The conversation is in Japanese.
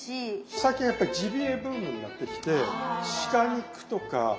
最近やっぱりジビエブームになってきて鹿肉とかあとイノシシ。